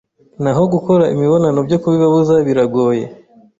naho gukora imibonano byo kubibabuza biragoye